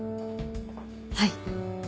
はい。